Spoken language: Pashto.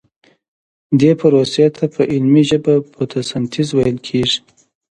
دې پروسې ته په علمي ژبه فتوسنتیز ویل کیږي